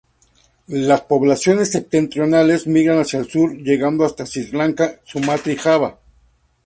Las poblaciones septentrionales migran hacia el sur, llegando hasta Sri Lanka, Sumatra y Java.